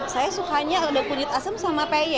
saya sukanya ada kunyit asem sama peye